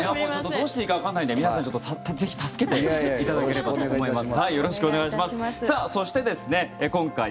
どうしていいかわからないので皆さんぜひ助けていただければと思います。